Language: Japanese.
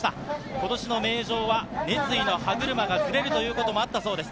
ことしの名城は熱意の歯車がずれるということもあったそうです。